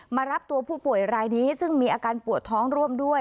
มารับตัวผู้ป่วยรายนี้ซึ่งมีอาการปวดท้องร่วมด้วย